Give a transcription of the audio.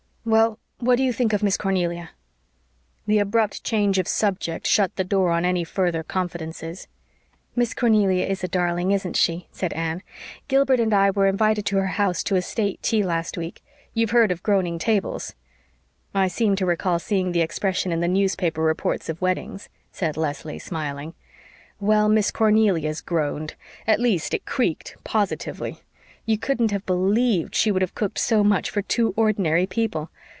Well, what do you think of Miss Cornelia?" The abrupt change of subject shut the door on any further confidences. "Miss Cornelia is a darling, isn't she?" said Anne. "Gilbert and I were invited to her house to a state tea last week. You've heard of groaning tables." "I seem to recall seeing the expression in the newspaper reports of weddings," said Leslie, smiling. "Well, Miss Cornelia's groaned at least, it creaked positively. You couldn't have believed she would have cooked so much for two ordinary people.